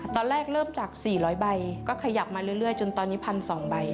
ตอนแรกเริ่มจาก๔๐๐ใบก็ขยับมาเรื่อยจนตอนนี้๑๒๐๐ใบ